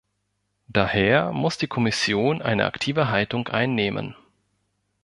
Daher muss die Kommission eine aktive Haltung einnehmen.